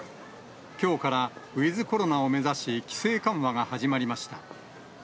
きょうからウィズコロナを目指し、規制緩和が始まりました。